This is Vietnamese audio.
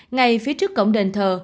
ngay phía trước cổng đền thờ